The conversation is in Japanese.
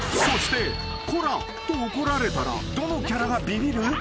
［そして「コラ！」と怒られたらどのキャラがビビる？］